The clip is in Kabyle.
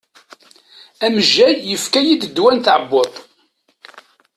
Amejjay yefka-yid ddwa n tɛebbuḍt.